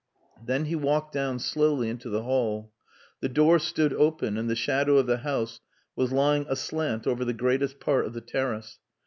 Then he walked down slowly into the hall. The door stood open, and the shadow of the house was lying aslant over the greatest part of the terrace.